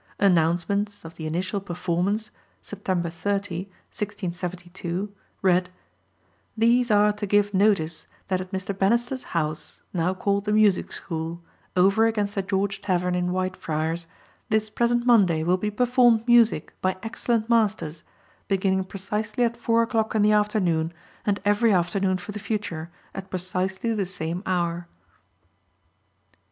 Announcements of the initial performance, September 30, 1672, read: "These are to give notice that at Mr. Banister's house (now called the Musick School) over against the George Tavern in White Friars, this present Monday will be performed musick by excellent masters, beginning precisely at four o'clock in the afternoon and every afternoon for the future at precisely the same hour."